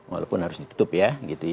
walaupun harus ditutup ya